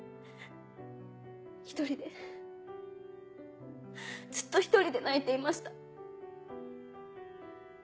独りでずっと独りで泣いていました。